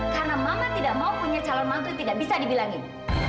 karena mama tidak mau punya calon mantu yang tidak bisa dibilangin